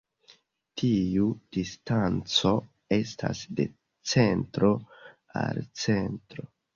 Tiu distanco estas de centro al centro.